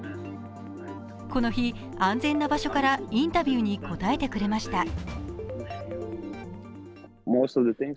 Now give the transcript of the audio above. この日、安全な場所からインタビューに答えてくれました。